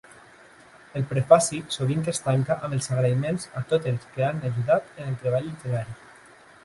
El prefaci sovint es tanca amb els agraïments a tots els que han ajudat en el treball literari.